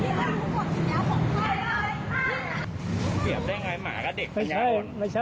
กลับมาเล่าให้ฟังครับ